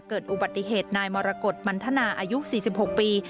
เกิดอุบัติเหตุนายมรกฏมันทนาอายุ๔๖ปี